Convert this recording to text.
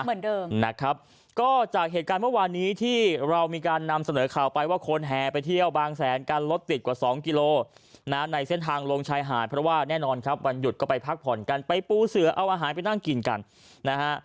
เหมือนเดิมนะครับก็จากเหตุการณ์เมื่อวานนี้ที่เรามีการนำเสนอข่าวไปว่าคนแห่ไปเที่ยวบางแสนกันรถติดกว่าสองกิโลนะในเส้นทางลงชายหาดเพราะว่าแน่นอนครับวันหยุดก็ไปพักผ่อนกันไปปูเสือเอาอาหารไปนั่งกินกันนะฮะ